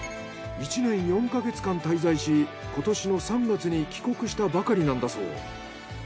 １年４か月間滞在し今年の３月に帰国したばかりなんだそう。